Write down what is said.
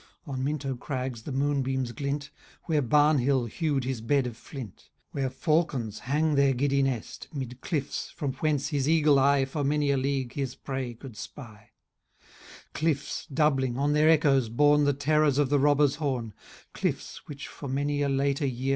On Minto crags the moonbeams glint,' Where Bamhill hew'd his bed of flint ; Who flung his outlawed limbs to rest. Where falcons hang their giddy nest, Mid clifls, from whence his eagle eye For many a league his prey could spy ; Cliffs, doubling, on their echoes borne The terrors of the robber's horn ; Cliffs, which, for many a later year.